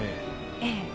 ええ。